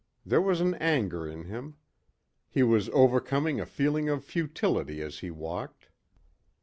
There was an anger in him. He was overcoming a feeling of futility as he walked.